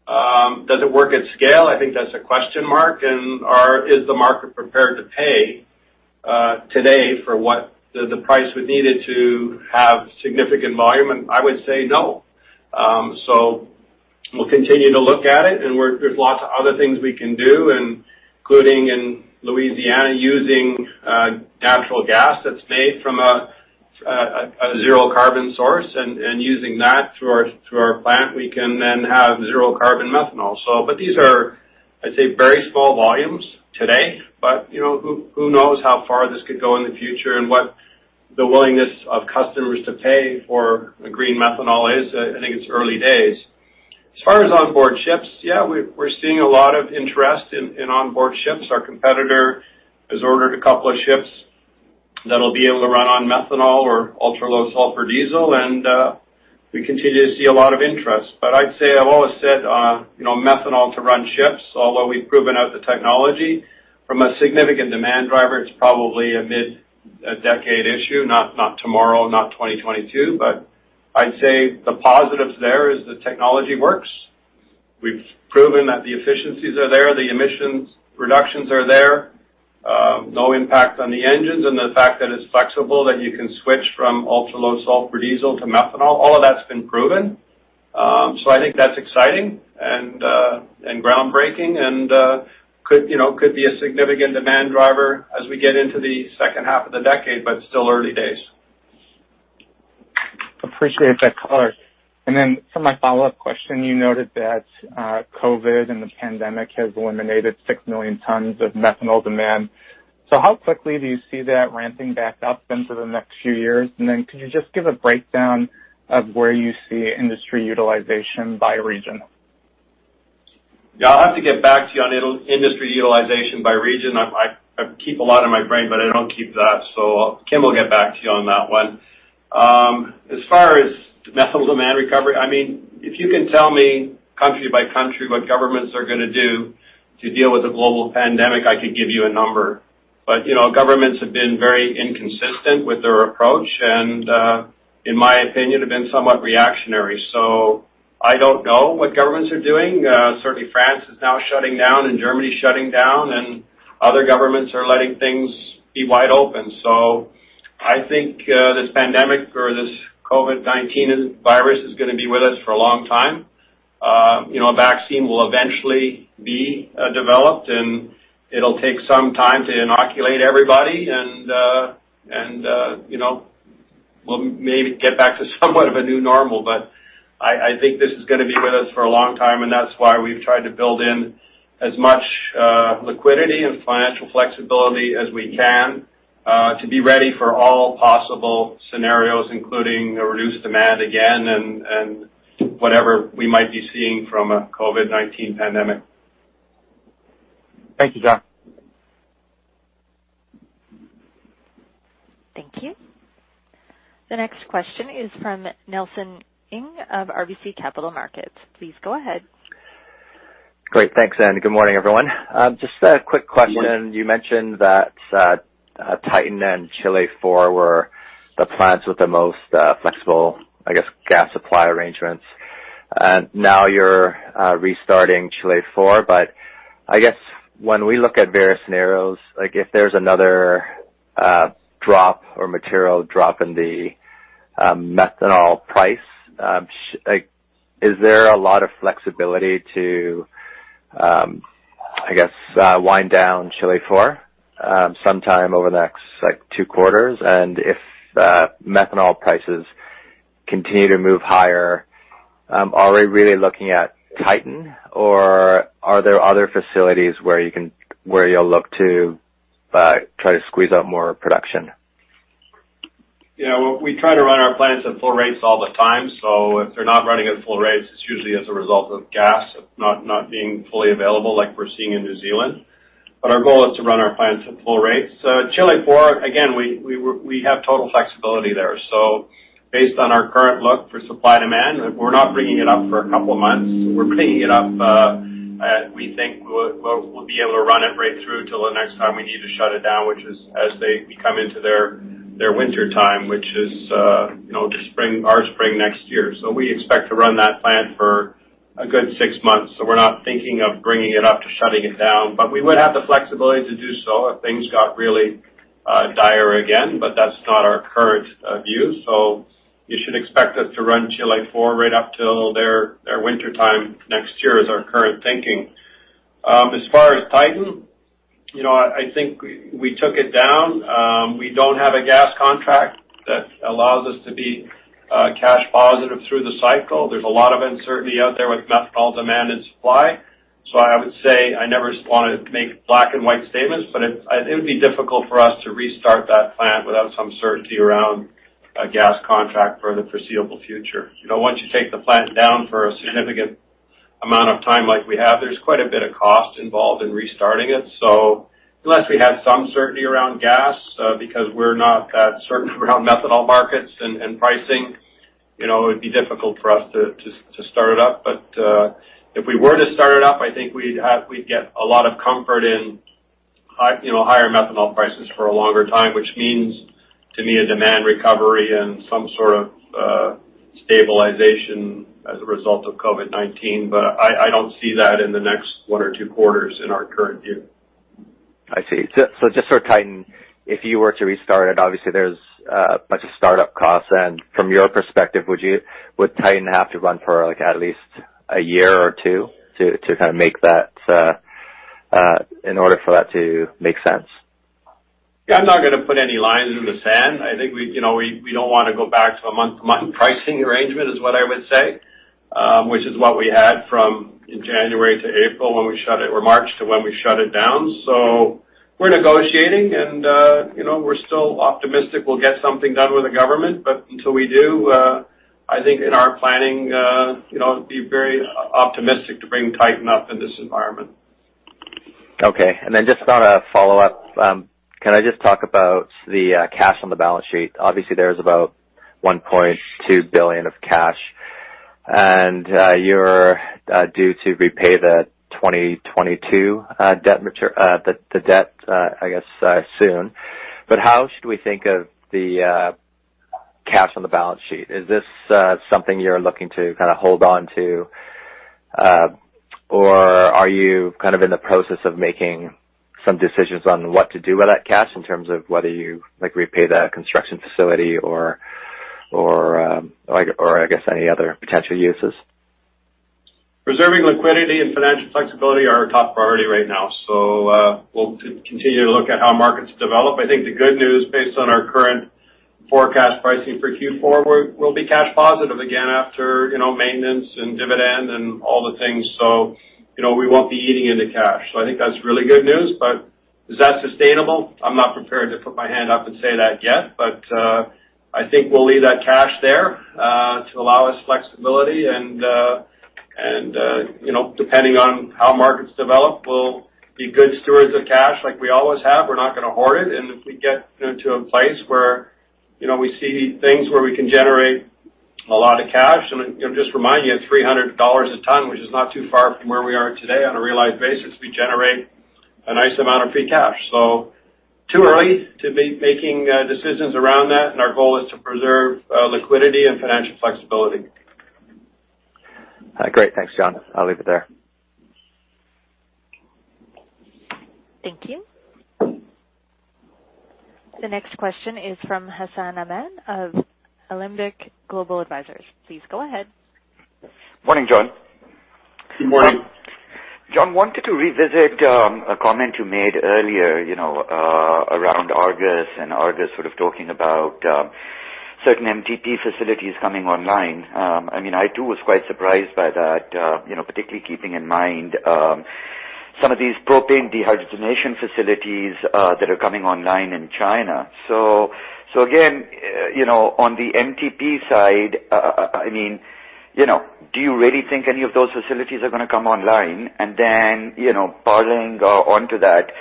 Does it work at scale? I think that's a question mark. Is the market prepared to pay today for what the price would need it to have significant volume? I would say no. We'll continue to look at it, and there's lots of other things we can do, including in Louisiana, using natural gas that's made from a zero-carbon source, and using that through our plant. We can have zero carbon methanol. These are, I'd say, very small volumes today. Who knows how far this could go in the future and what the willingness of customers to pay for green methanol is. I think it's early days. As far as onboard ships, yeah, we're seeing a lot of interest in onboard ships. Our competitor has ordered a couple of ships that'll be able to run on methanol or ultra-low sulfur diesel, and we continue to see a lot of interest. I've always said methanol to run ships, although we've proven out the technology from a significant demand driver, it's probably a mid-decade issue, not tomorrow, not 2022. I'd say the positives there is the technology works. We've proven that the efficiencies are there, the emissions reductions are there, no impact on the engines, and the fact that it's flexible, that you can switch from ultra-low sulfur diesel to methanol. All of that's been proven. I think that's exciting and groundbreaking and could be a significant demand driver as we get into the second half of the decade, but still early days. Appreciate that color. For my follow-up question, you noted that COVID and the pandemic have eliminated six million tons of methanol demand. How quickly do you see that ramping back up into the next few years? Could you just give a breakdown of where you see industry utilization by region? I'll have to get back to you on industry utilization by region. I keep a lot in my brain, but I don't keep that. Kim will get back to you on that one. As far as methanol demand recovery, if you can tell me country by country what governments are gonna do to deal with the global pandemic, I could give you a number. Governments have been very inconsistent with their approach and, in my opinion, have been somewhat reactionary. I don't know what governments are doing. Certainly, France is now shutting down, and Germany is shutting down, and other governments are letting things be wide open. I think this pandemic or this COVID-19 virus is gonna be with us for a long time. A vaccine will eventually be developed, and it'll take some time to inoculate everybody. We'll maybe get back to somewhat of a new normal. I think this is gonna be with us for a long time, That's why we've tried to build in as much liquidity and financial flexibility as we can to be ready for all possible scenarios, including a reduced demand again and whatever we might be seeing from a COVID-19 pandemic. Thank you, John. Thank you. The next question is from Nelson Ng of RBC Capital Markets. Please go ahead. Great. Thanks, Anne. Good morning, everyone. Just a quick question. You mentioned that Titan and Chile IV were the plants with the most flexible, I guess gas supply arrangements. Now you're restarting Chile IV, but I guess when we look at various scenarios, if there's another drop or material drop in the methanol price, is there a lot of flexibility to, I guess wind down Chile IV sometime over the next two quarters? If methanol prices continue to move higher, are we really looking at Titan or are there other facilities where you'll look to try to squeeze out more production? We try to run our plants at full rates all the time, if they're not running at full rates, it's usually as a result of gas not being fully available like we're seeing in New Zealand. Our goal is to run our plants at full rate. Chile IV, again, we have total flexibility there. Based on our current look for supply-demand, we're not bringing it up for a couple of months. We're bringing it up. We think we'll be able to run it right through till the next time we need to shut it down, which is as they come into their winter time, which is our spring next year. We expect to run that plant for a good six months. We're not thinking of bringing it up to shutting it down. We would have the flexibility to do so if things got really dire again. That's not our current view. You should expect us to run Chile IV right up till their wintertime next year, is our current thinking. As far as Titan, I think we took it down. We don't have a gas contract that allows us to be cash positive through the cycle. There's a lot of uncertainty out there with methanol demand and supply. I would say I never want to make black and white statements, but it would be difficult for us to restart that plant without some certainty around a gas contract for the foreseeable future. Once you take the plant down for a significant amount of time like we have, there's quite a bit of cost involved in restarting it. Unless we have some certainty around gas. Because we're not that certain around methanol markets and pricing. It would be difficult for us to start it up. If we were to start it up, I think we'd get a lot of comfort in higher methanol prices for a longer time, which means, to me, a demand recovery and some sort of stabilization as a result of COVID-19. I don't see that in the next one or two quarters in our current view. I see. Just for Titan, if you were to restart it, obviously there's a bunch of start-up costs. From your perspective, would Titan have to run for at least a year or two in order for that to make sense? Yeah. I'm not going to put any lines in the sand. I think we don't want to go back to a month-to-month pricing arrangement is what I would say, which is what we had from January to April or March, to when we shut it down. We're negotiating, and we're still optimistic we'll get something done with the government. Until we do, I think in our planning, it'd be very optimistic to bring Titan up in this environment. Okay. Just on a follow-up. Can I just talk about the cash on the balance sheet? Obviously, there's about $1.2 billion of cash, and you're due to repay the 2022 debt, I guess, soon. How should we think of the cash on the balance sheet? Is this something you're looking to kind of hold on to? Are you in the process of making some decisions on what to do with that cash, in terms of whether you repay that construction facility or, I guess, any other potential uses? Preserving liquidity and financial flexibility are our top priority right now. We'll continue to look at how markets develop. I think the good news, based on our current forecast pricing for Q4, we'll be cash positive again after maintenance and dividend and all the things. We won't be eating into cash. I think that's really good news. Is that sustainable? I'm not prepared to put my hand up and say that yet, I think we'll leave that cash there to allow us flexibility, and depending on how markets develop, we'll be good stewards of cash like we always have. We're not going to hoard it, and if we get into a place where we see things where we can generate a lot of cash, and just remind you, at $300 a ton, which is not too far from where we are today on a realized basis, we generate a nice amount of free cash. Too early to be making decisions around that. Our goal is to preserve liquidity and financial flexibility. Great. Thanks, John. I'll leave it there. Thank you. The next question is from Hassan Ahmed of Alembic Global Advisors. Please go ahead. Morning, John. Good morning. John, wanted to revisit a comment you made earlier around Argus sort of talking about certain MTP facilities coming online. I too was quite surprised by that, particularly keeping in mind some of these propane dehydrogenation facilities that are coming online in China. Again, on the MTP side, do you really think any of those facilities are going to come online? Then borrowing onto that,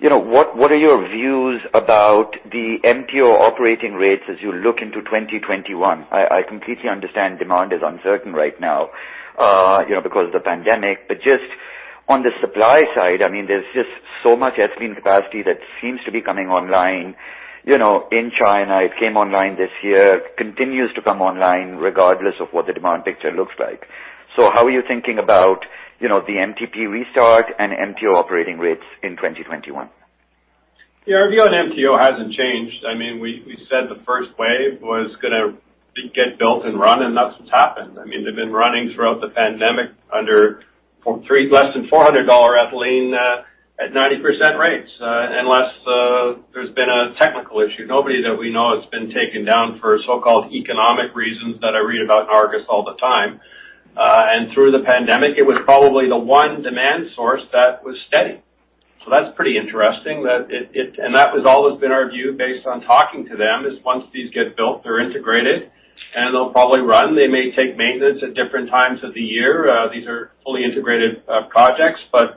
what are your views about the MTO operating rates as you look into 2021? I completely understand demand is uncertain right now because of the pandemic, just on the supply side, there's just so much ethylene capacity that seems to be coming online in China. It came online this year. Continues to come online regardless of what the demand picture looks like. How are you thinking about the MTP restart and MTO operating rates in 2021? Yeah. Our view on MTO hasn't changed. We said the first wave was going to get built and run, and that's what's happened. They've been running throughout the pandemic under less than $400 ethylene at 90% rates. Unless there's been a technical issue, nobody that we know has been taken down for so-called economic reasons that I read about in Argus all the time. Through the pandemic, it was probably the one demand source that was steady. That's pretty interesting. That has always been our view based on talking to them, is once these get built, they're integrated, and they'll probably run. They may take maintenance at different times of the year. These are fully integrated projects, but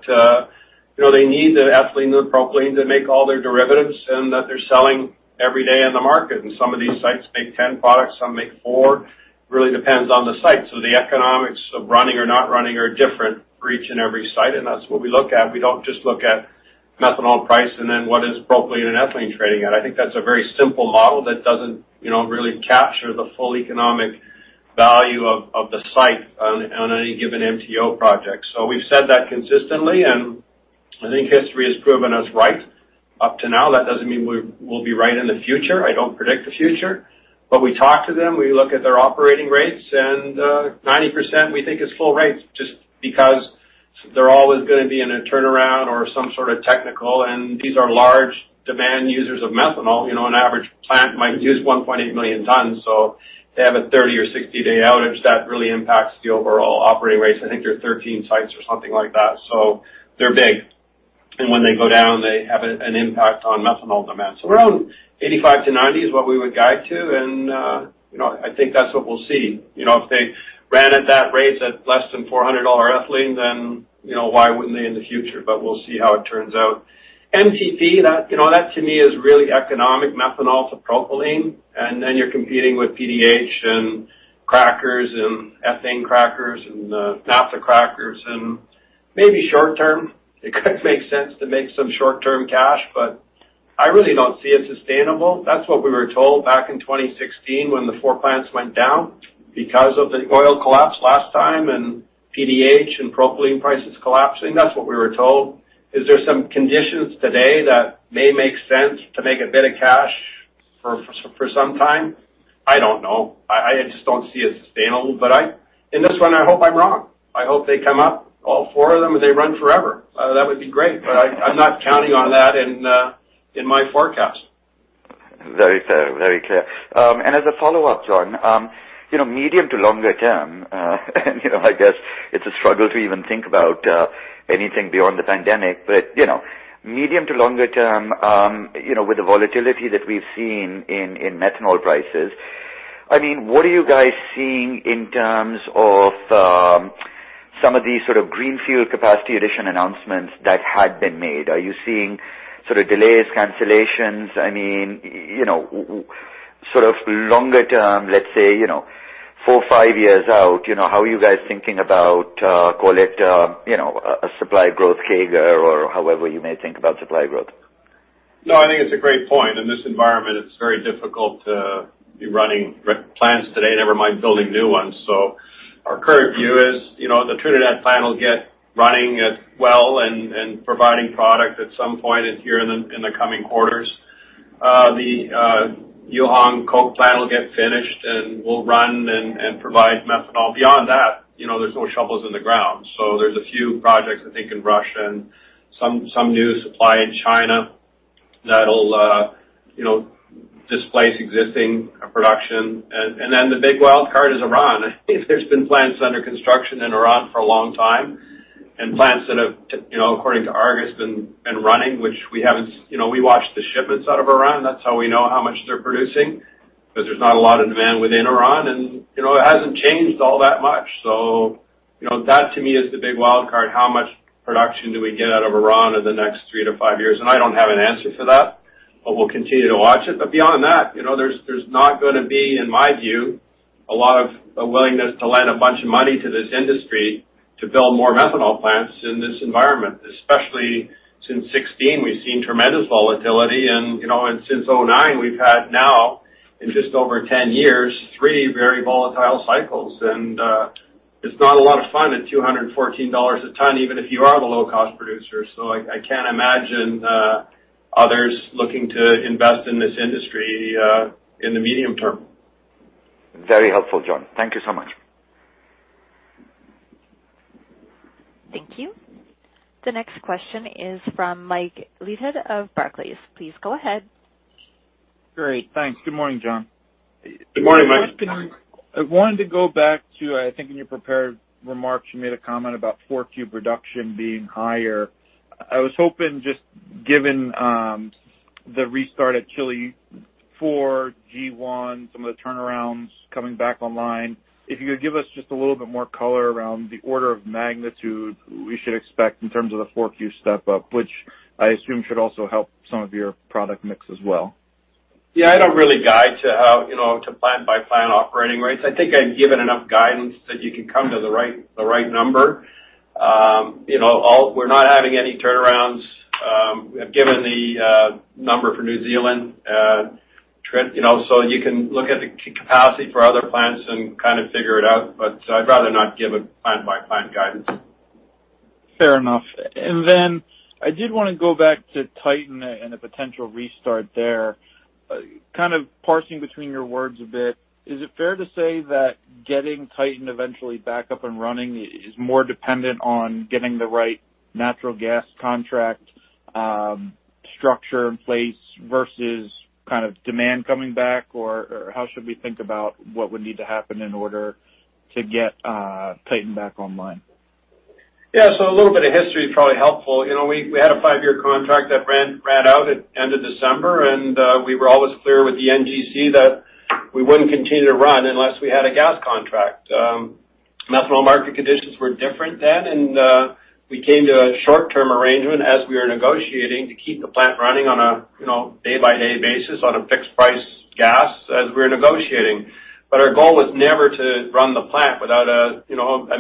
they need the ethylene and propylene to make all their derivatives and that they're selling every day in the market. Some of these sites make 10 products, some make four. Really depends on the site. The economics of running or not running are different for each and every site, and that's what we look at. We don't just look at methanol price and then what is propylene and ethylene trading at. I think that's a very simple model that doesn't really capture the full economic value of the site on any given MTO project. We've said that consistently, and I think history has proven us right up to now. That doesn't mean we'll be right in the future. I don't predict the future. We talk to them, we look at their operating rates, and 90% we think is full rates just because there always going to be in a turnaround or some sort of technical. These are large demand users of methanol. An average plant might use 1.8 million tons. They have a 30 or 60-day outage, that really impacts the overall operating rates. I think there are 13 sites or something like that. They're big. When they go down, they have an impact on methanol demand. Around 85-90 is what we would guide to, and I think that's what we'll see. Ran at that rate at less than $400 ethylene, then why wouldn't they in the future? We'll see how it turns out. MTP, that to me is really economic methanol to propylene, and then you're competing with PDH and crackers and ethane crackers and naphtha crackers, and maybe short term, it could make sense to make some short-term cash, but I really don't see it sustainable. That's what we were told back in 2016 when the four plants went down because of the oil collapse last time, and PDH and propylene prices collapsing. That's what we were told. Is there some conditions today that may make sense to make a bit of cash for some time? I don't know. I just don't see it sustainable, but in this one, I hope I'm wrong. I hope they come up, all four of them, and they run forever. That would be great, but I'm not counting on that in my forecast. Very fair. Very clear. As a follow-up, John, medium to longer term, I guess it's a struggle to even think about anything beyond the pandemic, but medium to longer term, with the volatility that we've seen in methanol prices, what are you guys seeing in terms of some of these sort of greenfield capacity addition announcements that had been made? Are you seeing sort of delays, cancellations? Sort of longer term, let's say four, five years out, how are you guys thinking about, call it, a supply growth CAGR or however you may think about supply growth? No, I think it's a great point. In this environment, it's very difficult to be running plants today, never mind building new ones. Our current view is the Trinidad plant will get running well and providing product at some point here in the coming quarters. The Yuhuang Chemical plant will get finished, and we'll run and provide methanol. Beyond that, there's no shovels in the ground. There's a few projects, I think, in Russia, and some new supply in China that'll displace existing production. The big wild card is Iran. I think there's been plants under construction in Iran for a long time, and plants that have, according to Argus, been running, which we haven't. We watch the shipments out of Iran. That's how we know how much they're producing, because there's not a lot of demand within Iran, and it hasn't changed all that much. That to me is the big wild card. How much production do we get out of Iran in the next three to five years? I don't have an answer for that, but we'll continue to watch it. Beyond that, there's not going to be, in my view, a lot of willingness to lend a bunch of money to this industry to build more methanol plants in this environment. Especially since 2016, we've seen tremendous volatility, and since 2009, we've had now, in just over 10 years, three very volatile cycles. It's not a lot of fun at $214 a ton, even if you are the low-cost producer. I can't imagine others looking to invest in this industry in the medium term. Very helpful, John. Thank you so much. Thank you. The next question is from Mike Leithead of Barclays. Please go ahead. Great, thanks. Good morning, John. Good morning, Mike. I wanted to go back to, I think in your prepared remarks, you made a comment about 4Q production being higher. I was hoping just given the restart at Chile IV, G1, some of the turnarounds coming back online. If you could give us just a little bit more color around the order of magnitude we should expect in terms of the 4Q step-up, which I assume should also help some of your product mix as well. Yeah, I don't really guide to plant by plant operating rates. I think I've given enough guidance that you can come to the right number. We're not having any turnarounds, given the number for New Zealand train. You can look at the capacity for other plants and kind of figure it out, but I'd rather not give a plant-by-plant guidance. Fair enough. I did want to go back to Titan and a potential restart there. Kind of parsing between your words a bit. Is it fair to say that getting Titan eventually back up and running is more dependent on getting the right natural gas contract structure in place versus demand coming back? How should we think about what would need to happen in order to get Titan back online? A little bit of history is probably helpful. We had a five-year contract that ran out at end of December. We were always clear with the NGC that we wouldn't continue to run unless we had a gas contract. Methanol market conditions were different then. We came to a short-term arrangement as we were negotiating to keep the plant running on a day-by-day basis on a fixed price gas as we were negotiating. Our goal was never to run the plant without a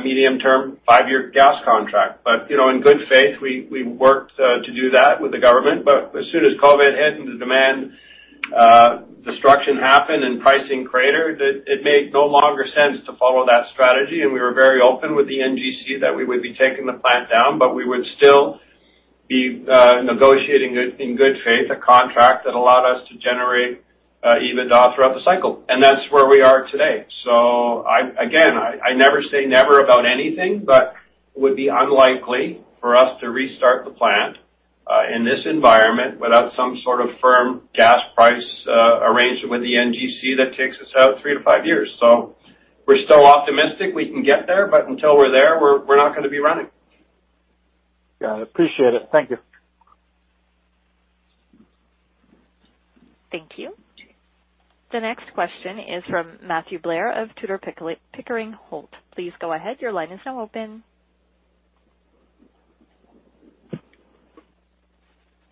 medium-term, five-year gas contract. In good faith, we worked to do that with the government. As soon as COVID hit and the demand destruction happened and pricing cratered, it made no longer sense to follow that strategy, and we were very open with the NGC that we would be taking the plant down, but we would still be negotiating in good faith a contract that allowed us to generate EBITDA throughout the cycle. That's where we are today. Again, I never say never about anything, but it would be unlikely for us to restart the plant in this environment without some sort of firm gas price arrangement with the NGC that takes us out three to five years. We're still optimistic we can get there, but until we're there, we're not going to be running. Got it. Appreciate it. Thank you. The next question is from Matthew Blair of Tudor, Pickering, Holt. Please go ahead. Your line is now open.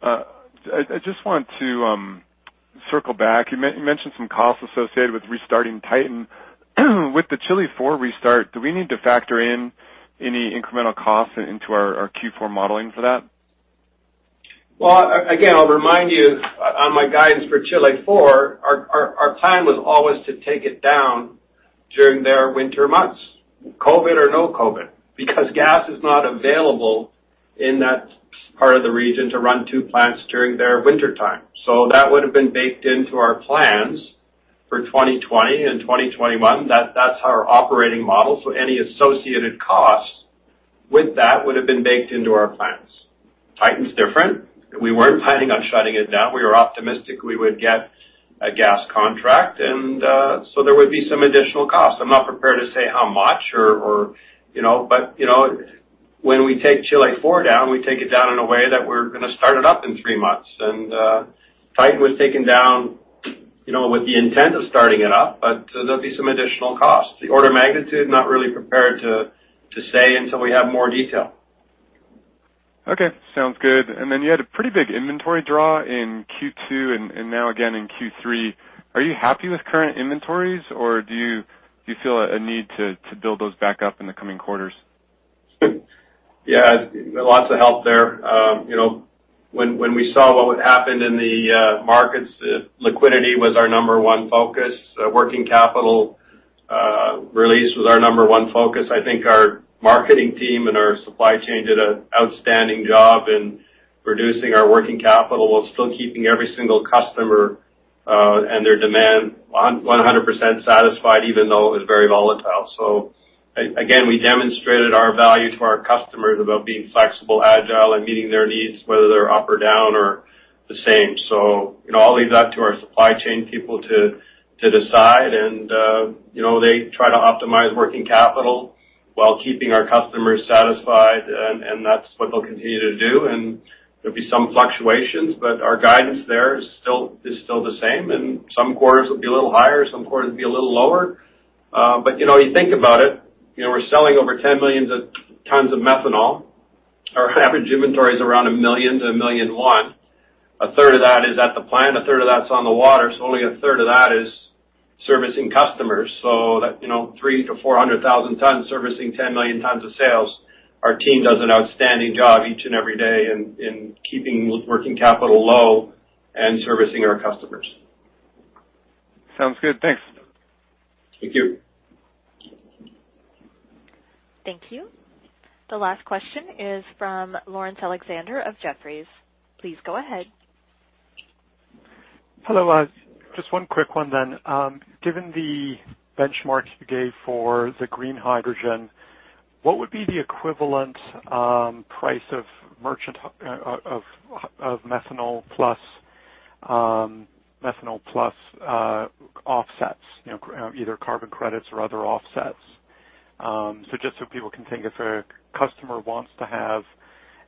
I just want to circle back. You mentioned some costs associated with restarting Titan. With the Chile IV restart, do we need to factor in any incremental costs into our Q4 modeling for that? Again, I'll remind you on my guidance for Chile IV, our plan was always to take it down during their winter months, COVID or no COVID, because gas is not available in that part of the region to run two plants during their wintertime. That would have been baked into our plans for 2020 and 2021. That's our operating model. Any associated costs with that would have been baked into our plans. Titan's different. We weren't planning on shutting it down. We were optimistic we would get a gas contract, and so there would be some additional costs. I'm not prepared to say how much. When we take Chile IV down, we take it down in a way that we're going to start it up in three months. Titan was taken down with the intent of starting it up, but there'll be some additional costs. The order of magnitude, not really prepared to say until we have more detail. Okay. Sounds good. You had a pretty big inventory draw in Q2 and now again in Q3. Are you happy with current inventories, or do you feel a need to build those back up in the coming quarters? Yeah, lots of help there. When we saw what would happen in the markets, liquidity was our number one focus. Working capital release was our number one focus. I think our marketing team and our supply chain did an outstanding job in reducing our working capital while still keeping every single customer and their demand 100% satisfied, even though it was very volatile. Again, we demonstrated our value to our customers about being flexible, agile, and meeting their needs, whether they're up or down or the same. I'll leave that to our supply chain people to decide. They try to optimize working capital while keeping our customers satisfied, and that's what they'll continue to do. There'll be some fluctuations, but our guidance there is still the same, and some quarters will be a little higher, some quarters will be a little lower. When you think about it, we're selling over 10 million tons of methanol. Our average inventory is around 1 million-1.1 million. A third of that is at the plant, a third of that's on the water, so only a third of that is servicing customers. That's 300,000-400,000 tons servicing 10 million tons of sales. Our team does an outstanding job each and every day in keeping working capital low and servicing our customers. Sounds good. Thanks. Thank you. Thank you. The last question is from Laurence Alexander of Jefferies. Please go ahead. Hello. Just one quick one. Given the benchmarks you gave for the green hydrogen, what would be the equivalent price of methanol plus offsets, either carbon credits or other offsets? Just so people can think if a customer wants to have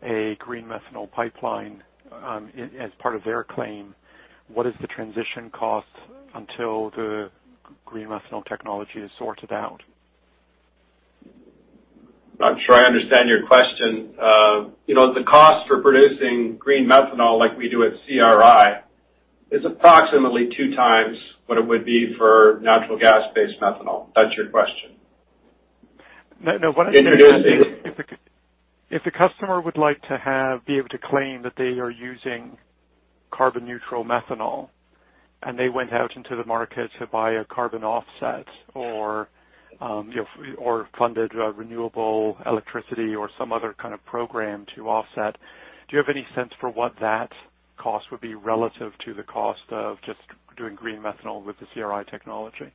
a green methanol pipeline as part of their claim, what is the transition cost until the green methanol technology is sorted out? Not sure I understand your question. The cost for producing green methanol like we do at CRI is approximately two times what it would be for natural gas-based methanol. That's your question? No, what I'm saying is- It is if a customer would like to be able to claim that they are using carbon neutral methanol, and they went out into the market to buy a carbon offset or funded renewable electricity or some other kind of program to offset, do you have any sense for what that cost would be relative to the cost of just doing green methanol with the CRI technology?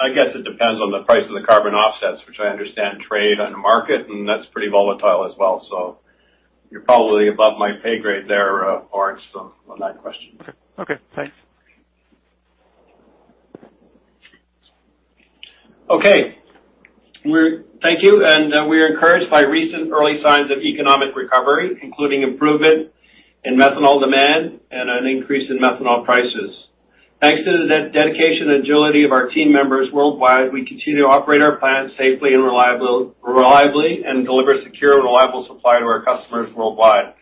I guess it depends on the price of the carbon offsets, which I understand trade on the market, and that's pretty volatile as well. You're probably above my pay grade there, Laurence, on that question. Okay. Thanks. Okay. Thank you. We're encouraged by recent early signs of economic recovery, including improvement in methanol demand and an increase in methanol prices. Thanks to the dedication and agility of our team members worldwide, we continue to operate our plants safely and reliably, and deliver secure and reliable supply to our customers worldwide.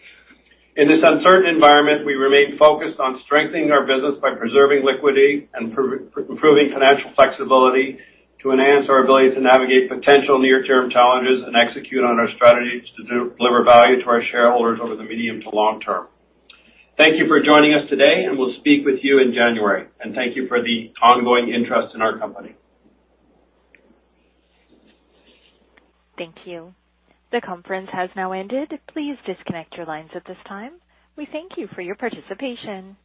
In this uncertain environment, we remain focused on strengthening our business by preserving liquidity and improving financial flexibility to enhance our ability to navigate potential near-term challenges and execute on our strategies to deliver value to our shareholders over the medium to long term. Thank you for joining us today, and we'll speak with you in January. Thank you for the ongoing interest in our company. Thank you. The conference has now ended. Please disconnect your lines at this time. We thank you for your participation.